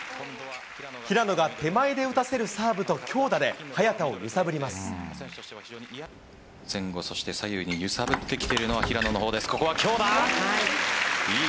平野が手前で打たせるサーブと強打で、前後、そして左右に揺さぶってきているのは、平野の方です、ここは強打！